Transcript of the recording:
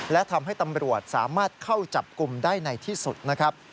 และทำให้ตำรวจสามารถเข้าจับกลุ่มได้ในที่สุดนะครับ